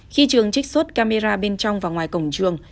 khi trường trích xuất camera bên trong và ngoài cổng trường